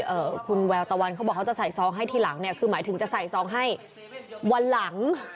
พระจินดาท่านก็บอกว่าจะใส่ซ้องให้ทีหลังหมายถึงจะใส่ซ้องให้วันหลัง